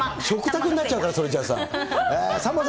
食卓になっちゃうから、それじゃさ。